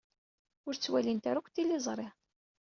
Ur ttwalint ara akk tiliẓri.